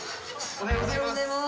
おはようございます。